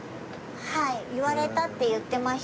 はい言われたって言ってました。